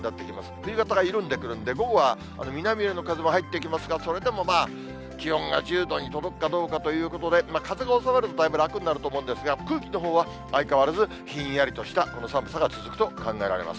冬型が緩んでくるんで、午後は南寄りの風も入ってきますが、それでも気温が１０度に届くかどうかということで、風が収まるとだいぶ楽になると思うんですが、空気のほうは相変わらずひんやりとした、この寒さが続くと考えられます。